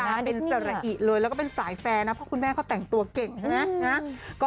ตาเป็นสระอิดเลยเป็นสายแฟนนะคุณแม่ก็แต่งตัวเก่งใช่ไหม